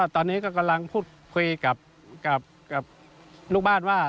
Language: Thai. ตอนนี้ก็กำลังพูดคุยกับลูกบ้านว่า